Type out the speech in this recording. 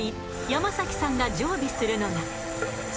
山崎さんが常備するのが。